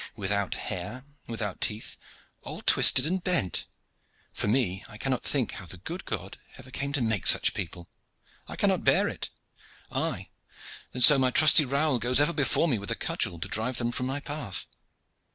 Without hair, without teeth, all twisted and bent; for me, I cannot think how the good God ever came to make such people. I cannot bear it, I, and so my trusty Raoul goes ever before me with a cudgel to drive them from my path."